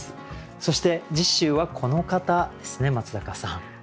そして次週はこの方ですね松坂さん。